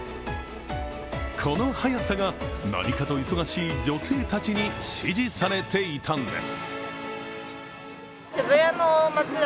この早さが何かと忙しい女性たちに支持されていたんです。